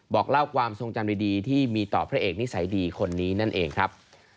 บอกเล่าความทรงจำดีที่มีต่อพระเอกนิสัยดีคนนี้นั่นเองครับ